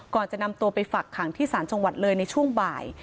จะนำตัวไปฝักขังที่ศาลจังหวัดเลยในช่วงบ่าย